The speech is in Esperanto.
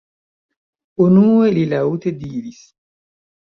Unue, li laŭte ridis.